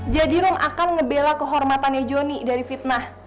jadi rum akan ngebela kehormatannya jony dari fitnah